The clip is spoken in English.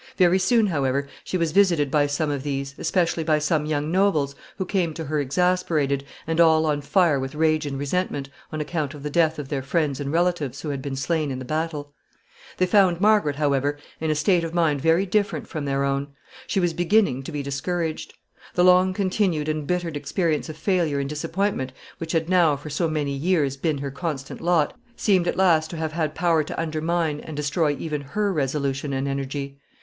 Very soon, however, she was visited by some of these, especially by some young nobles, who came to her exasperated, and all on fire with rage and resentment, on account of the death of their friends and relatives, who had been slain in the battle. [Sidenote: Her sad condition.] They found Margaret, however, in a state of mind very different from their own. She was beginning to be discouraged. The long continued and bitter experience of failure and disappointment, which had now, for so many years, been her constant lot, seemed at last to have had power to undermine and destroy even her resolution and energy.